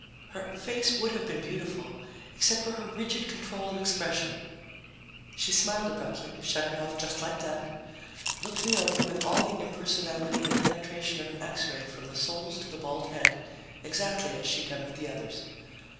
Her face would have been beautiful except for her rigid control of expression; she smiled abruptly, shut it off just like that, looked me over with all the impersonality and penetration of an X ray from the soles to the bald head, exactly as she'd done with the others.